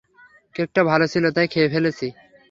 কেকটা ভালো ছিল তাই খেয়ে ফেলেছি।